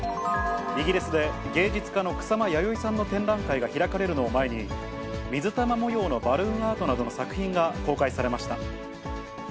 イギリスで芸術家の草間彌生さんの展覧会が開かれるのを前に、水玉模様のバルーンアートなどの作品が公開されました。